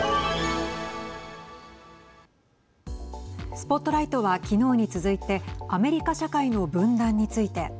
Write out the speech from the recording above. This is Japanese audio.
ＳＰＯＴＬＩＧＨＴは昨日に続いてアメリカ社会の分断について。